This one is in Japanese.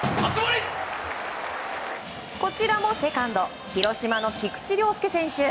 こちらもセカンド広島の菊池涼介選手。